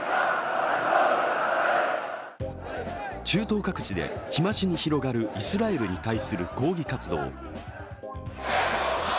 中東各地で日増しに広がるイスラエルに対する抗議活動。